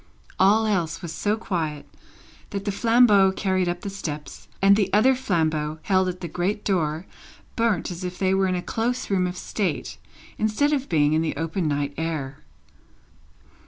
All else was so quiet, that the flambeau carried up the steps, and the other flambeau held at the great door, burnt as if they were in a close room of state, instead of being in the open night air.